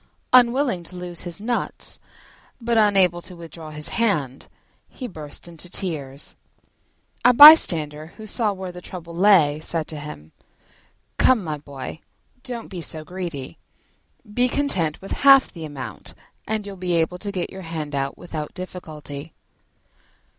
Unwilling to lose his nuts but unable to withdraw his hand, he burst into tears. A bystander, who saw where the trouble lay, said to him, "Come, my boy, don't be so greedy: be content with half the amount, and you'll be able to get your hand out without difficulty."